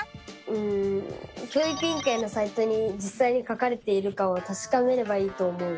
うん教育委員会のサイトにじっさいに書かれているかをたしかめればいいと思う！